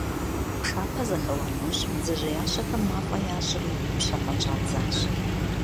Пшапэр зэхэуа нэужь, бдзэжьеящэхэм мафӀэ ящӀри, пщэфӀэн щӀадзащ.